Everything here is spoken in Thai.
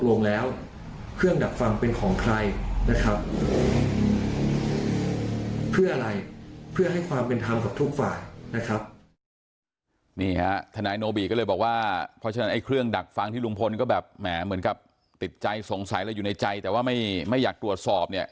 เรื่องราวดังกล่าวว่าตกลงแล้วเครื่องดักฟังเป็นของใครนะครับ